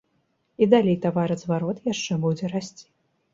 І далей таваразварот яшчэ будзе расці.